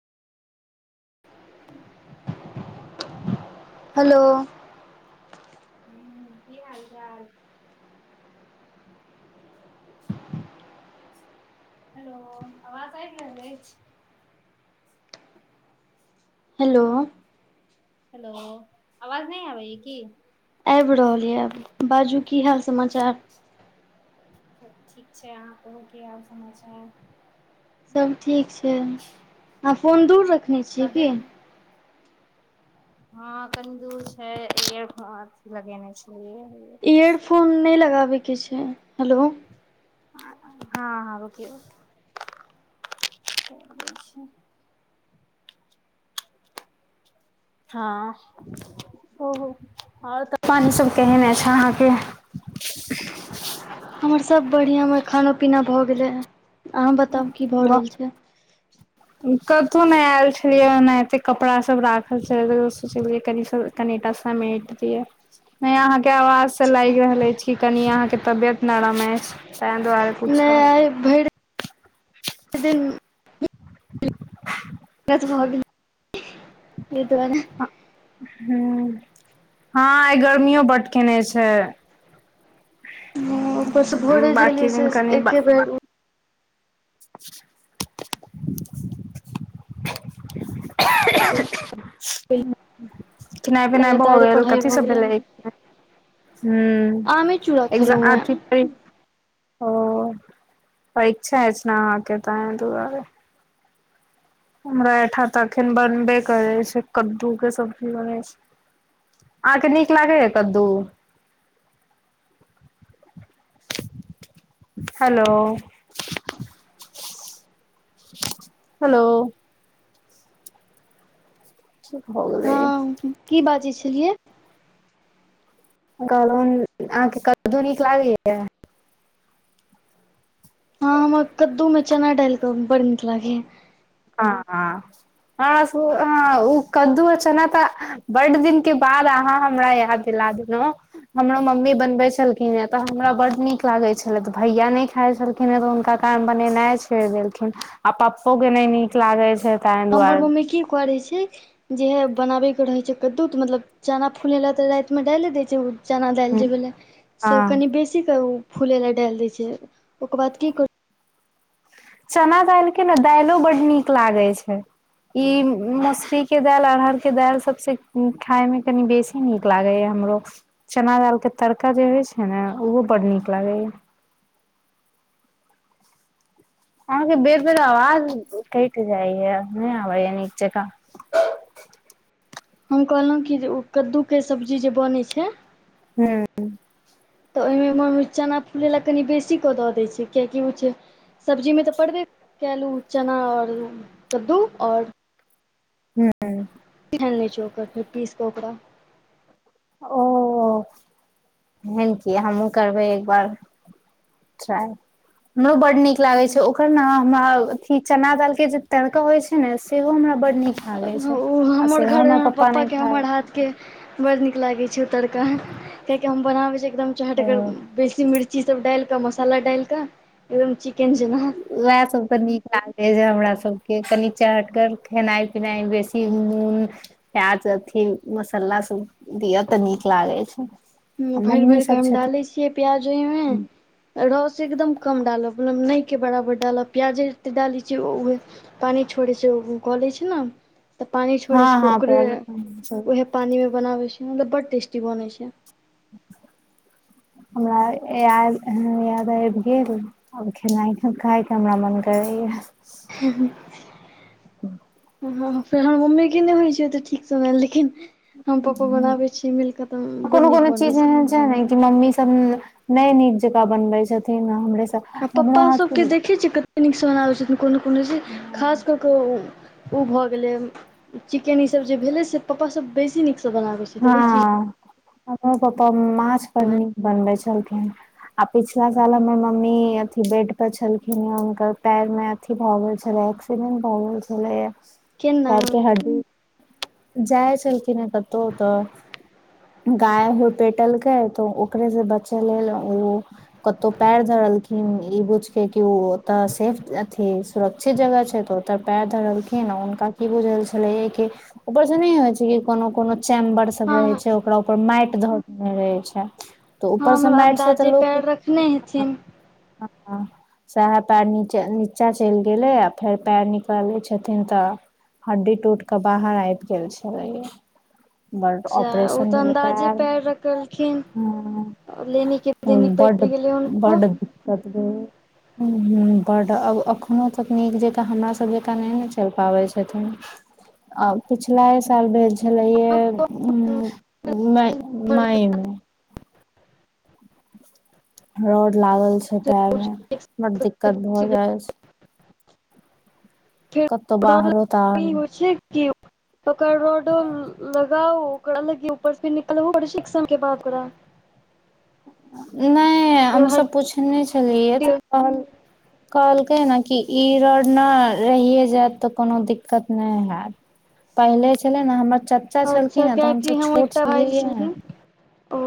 हलो की हाल चाल [inaudible] हेलो आवाज आइब रहल अछी हेलो हेलो आवाज नहि आबैया की आबि रहल यए बाजू की हाल समाचार ठीक छै अहाँ कहूं की हाल समाचार सब ठीक छै अहाँ फोन दूर रखने छियै की हँ अखन दूर छै एयर फोन अथि लगेने छलिए इयरफोन नहि लगाबैके छै हेलो हँ हँ रोकियौ रुकियो हँ ओहो आओर तऽ पानी सब केने छै अहाँके हमर सब बढ़िया हमर खाना पीना भए गेले हे अहाँ बताउ की भए रहल छै कथु ने आयल छलियै ने एते कपड़ा सब राखल छले सोचलियै कनी सब कनिटा समेट दिय नै आहा के आवाज से लागि रहल अछि कि कनि अहाँके तबियत नरम अछि तै दुआरे नहि पुछब आइ [unintelligible] ताही दुआरे हूँ हँ आइ गर्मियो बड केयने छै ऊपरसँ भोरे जे गेलियै बकी से दिन कनि बा एके बेर [inaudible] [unintelligible] खिनाइ पिनाइ भऽ लगातारे गेल पढ़ाइ कथि भऽ सब गेलै भेला हू आमे चूड़ा एगजा खेलहुँ हेँ आथिक परीक्षा अछि ने आहा के ताई दुआरे हमरा ठाम तऽ अखन बनबे करै छै कद्दू के सब्जी बनै छै अहाँके नीक लागै त कद्दू हेलो हेलो भ गिलाई हँ की बाजै छलियै कहलौं अहाँके कद्दू नीक लागैया हँ हमरा कद्दू में चना डालि के बड़ नीक लागे य हा हां ह ओ कद्दू आ चना त बड दिन के बाद अहाँ हमरा याद दिला देलौं हमरो मम्मी बनबे छलखिन हे तऽ हमरा बड्ड नीक लागे छले तऽ भैया नहि खाइत छलखिन खिन तऽ हुनका काम बनेनाइ छोड़ि देलखिन आ पप्पो के नहि नीक लागे छै ताहि हमर दुआरे मम्मी की करै छै जहिया बनाबैके रहै छै कद्दू तऽ मतलब चना फूल लऽ तऽ रातिमे डालि दै छै ओ चना दालि जे भेले से हँ कनि बेसी के ओ फूले लए डालि देै छै ओकर बाद की कर चना दालि के ने दायलो बड नीक लागे छै इ मसुरी के दालि अरहर के दालि सबस खाय में कनि बेसी नीक लागे या हमरो चना दाल के तड़का जे होय छै ने उहो बड नीक लागे या अहाँ के बेर बेर आवाज कटि जाय ये नहि आबैय निक जकाँ हम कहलहुँ कि जे ओ कद्दूके सब्जी जे बनैत छै हँ तऽ ओहिमे ‌मम्मी चना फूलय लए कनि बेसीे कऽ दऽ दैत छै कियकि ओ छै सब्जीमे तऽ पड़बे केल चना आओर कद्दू आओर हू चोक फेर पीस को ओकड़ा ओ एन क हमहु करबै एक बार हमरो बड नीक नीक लागै हूँ। छै ओकर न हमरा अथी चना दाल के जे तड़का होइ छै ने सेहो हमरा बड्ड नीक लागे छै ओ आ हमर सेहो घर पप्पा पापा नहि के हमर खाय हाथ के बड़ नीक लागे छै तरका कियाकि हम बनाबै छी एकदम चहटगर बेसी मिर्चा चीज सब डालिकऽ मसाला डालिकऽ एकदम चिकेन जेना उएहसभ तऽ नीक लागैत जे हमरा सभके कनि चहटगर खेनाइ पिनाइ बेसी नुन प्याज अथी मसाला सब दिअ तऽ नीक लागे छै आ भरि मम्मी भरि कऽ सब हम डालै छथिन छियै प्याज ओहिमे रस एकदम कम डालब मतलब नहिके बराबर डालब प्याजे जते डालैत छियैह पानि छोड़ै छै कऽ लै छै ने तऽ पानि छोड़ै हँ छै हँ ओकरे प्याज उएह पानी मे बनावे छै मतलब बड टेस्टी बनै छै हमरा याद आब आबि गेल आब खेनाइ खायके हमरा मन करैएा ह फेर हमर मम्मी के नहि होइ छै ओते ठीक स बनेल लेकिन हम पप्पा बनाबे छीय मिल क तऽ कोनो बड कोनो नीक चीज बनै छै एहन ने कि मम्मी सब नय नीक जकाँ बनबै छथिन हमरे सब आ पप्पा हमरो हाथके सभके देखै कते नीकसँ बनाबै छथिन कोनो कोनो खास क ओ भऽ गेलै चिकेन ई सब जे भेलै से पापा सब बेसी नीकसँ बनाबै छै हँ तऽ ई चीज हमरो पापा माछ बर नीक बनबै छलखिन आ पिछला साल हमर मम्मी अथी बेड पर छलखिन हे हुनकर पैर में भ गेल छलै एक्सीडेंट भ गेल छलै केना जाइ छलखिन हे कतहु तऽ गाय हूरपेटलके तऽ ओकरे से बचे लेय ओ कतौ पैर धरलखिन ई बुझ के क ओ ओतऽ सेफ अथी सुरक्षित जगह छै तऽ ओतऽ पैर धरलखिन हुनका की बुझल छलैय कि ऊपर से नहि होइ छै कि कोनो कोनो चेंबर सब हँ रहे छै ओकरा मैट ध क रहै छै तऽ ऊपरसँ हमर मैट छै तऽ अन्दाजे लोक पैर रखने हेथिन ह सहे पएर नचे नीचा चलि गेलै आ फेर पएर निकलै छथिन तऽ हड्डी टूट कऽ बाहर आब गेल छलैया बड अच्छा ओ ऑपरेशन तऽ भेल अन्दाजे पैर रखलखिन हुँ लेनी के देनी पड़ि बड गेलै हुनको बड दिकत भेल बड्ड आब एखनो तक नीक जकाँ हमरासभ जकाँ नहि ने चलि पाबै छथिन आओ पिछला साल भेल छलेये म मई मे रोड लागल छै पैर मे बड दिक्कत भऽ जाय छै कतहु रड बाहरो लाग ताहर होछै कि ओकर रोडो लगाउ ओकरामे ऊपर से भी निकलबौ करय छै एक साल के बाद तोरा नहि हमस पूछने छलियै तऽ कहल कहलकै ने कि ई रोड ने रहिए जायत तऽ कोनो दिक्कत नहि हायत पहिले छले ने हमर चाचा अच्छा छलखिन हेँ तऽ कियाकि हमस हम छोट एकटा भाय छलियै छलखिन ओ